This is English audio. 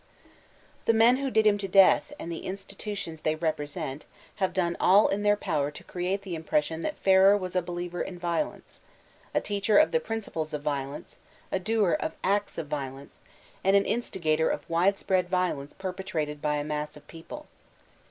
The men who did him to death, and the inttitotkuis they represent have done all in their power to create the impression that Ferrer was a believer in violence, a teadier of the principles of violence, a doer of acts of violence, and an instigator of widespread violence perpetrated by a mass of people.